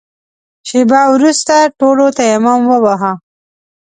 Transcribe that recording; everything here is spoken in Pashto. شېبه وروسته ټولو تيمم وواهه.